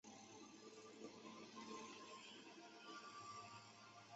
郑成玉现任朝鲜田径协会副秘书长。